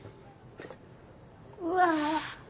うわ！